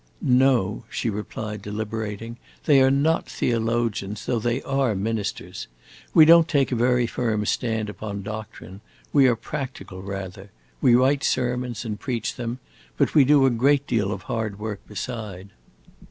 "No," she replied, deliberating; "they are not theologians, though they are ministers. We don't take a very firm stand upon doctrine; we are practical, rather. We write sermons and preach them, but we do a great deal of hard work beside."